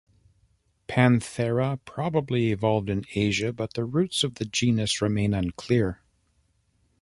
"Panthera" probably evolved in Asia, but the roots of the genus remain unclear.